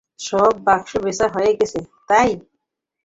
সব বাক্স বেচা হয়ে গেছে, ভাই?